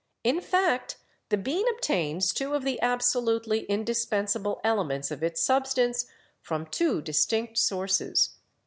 In fact, the bean obtains two of the absolutely indispensable elements of its substance from two distinct sources.